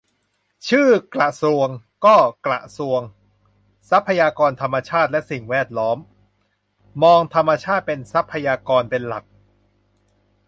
ชื่อกระทรวงก็กระทรวงทรัพยากรธรรมชาติและสิ่งแวดล้อม มองธรรมชาติเป็นทรัพยากรเป็นหลัก